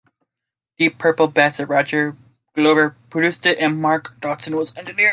Deep Purple bassist Roger Glover produced it and Mark Dodson was engineer.